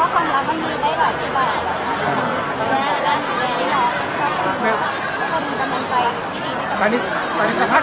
กกกเมียบมีกรรณาคม